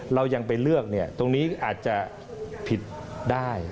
เรายังไปเลือกตรงนี้อาจจะผิดได้